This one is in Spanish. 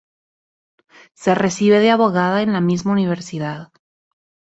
Se recibe de abogada en la misma Universidad.